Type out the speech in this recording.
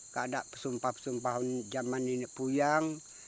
kadang pesumpah pesumpah zaman ini puyang